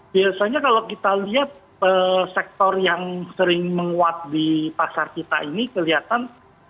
biasanya kalau kita lihat sektor yang sering menguat di pasar kita ini kelihatan